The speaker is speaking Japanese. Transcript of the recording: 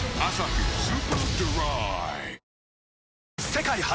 世界初！